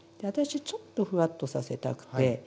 私はちょっとふわっとさせたくて。